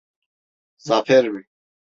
Zafer mi?